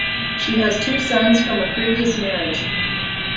She has two sons from a previous marriage.